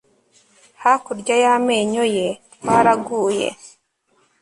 hakurya y'amenyo ye. twaraguye